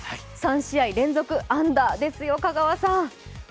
３試合連続安打ですよ、香川さん。